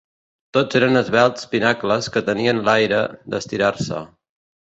Tot eren esvelts pinacles que tenien l'aire d'estirar-se